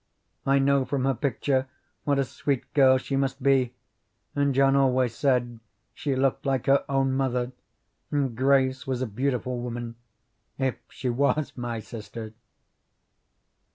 I know from her picture what a sweet girl she must be, and John always said she looked like her own mother, and Grace was a beautiful woman, if she was my sister."